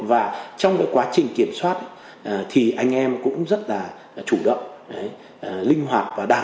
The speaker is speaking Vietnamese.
và trong cái quá trình kiểm soát thì anh em cũng rất là chủ động linh hoạt và đặc biệt